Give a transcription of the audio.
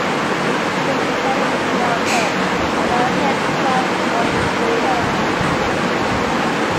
He was recording in Marrakech at Marrakech Prod Recording Studio.